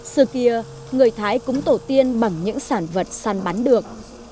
xưa kia người thái cũng tổ tiên bằng những sản vật săn bắn được